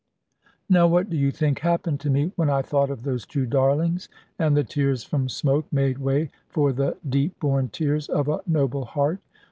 Now what do you think happened to me, when I thought of those two darlings, and the tears from smoke made way for the deep born tears of a noble heart?